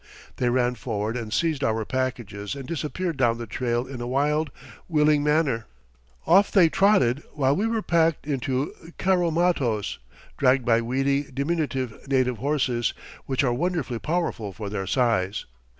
They ran forward and seized our packages and disappeared down the trail in a wild, willing manner. Off they trotted while we were packed into carromatos, dragged by weedy, diminutive native horses, which are wonderfully powerful for their size.